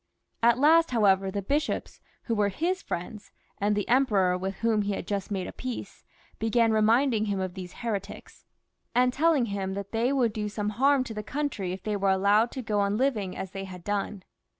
At last, however, the bishops, who were his friends, and the Emperor, with whom he had just made a peace, began ^ reminding him of these heretics, and telling him that they would do some harm to the coimtry if they were allowed to go on living as they had done.